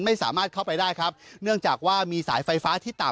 ไม่สามารถเข้าไปได้ครับเนื่องจากว่ามีสายไฟฟ้าที่ต่ำ